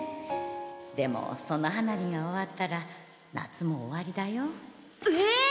でもその花火が終わったら夏も終わりだよええ！